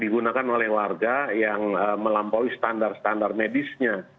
digunakan oleh warga yang melampaui standar standar medisnya